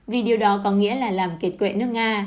vì điều đó có nghĩa là làm kiệt quệ nước nga